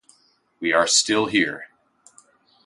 We are still here.